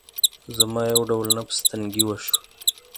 زما يو ډول نفس تنګي وشوه.